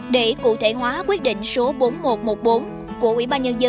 để cụ thể hóa quyết định số bốn nghìn một trăm một mươi bốn của ubnd